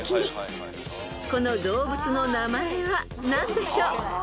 ［この動物の名前は何でしょう］